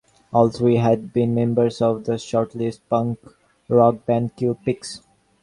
All three had been members of the short-lived punk rock band Kill Pigs.